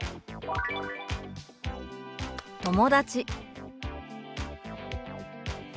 「友達」。